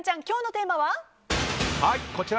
今日のテーマは？